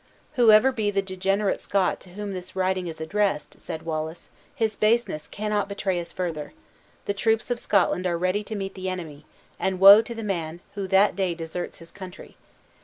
"Whoever be the degenerate Scot, to whom this writing is addressed," said Wallace, "his baseness cannot betray us further. The troops of Scotland are ready to meet the enemy; and woe to the man who that day deserts his country!"